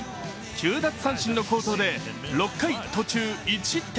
９奪三振の好投で６回途中１失点。